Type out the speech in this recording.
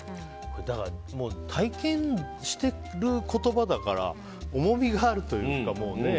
体験してる言葉だから重みがあるというかね。